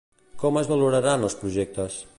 Com es valoraran els projectes?